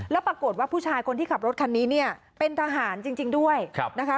แล้วปรากฏว่าผู้ชายคนที่ขับรถคันนี้เนี่ยเป็นทหารจริงด้วยนะคะ